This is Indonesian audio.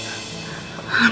jadi kamu sudah terbunuh